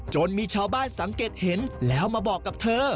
จนมีชาวบ้านสังเกตเห็นแล้วมาบอกกับเธอ